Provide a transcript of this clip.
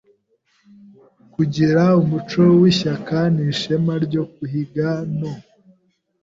kugira umuco w’ishyaka n’ishema ryo guhiga no